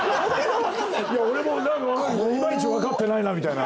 俺もいまいち分かってないなみたいな。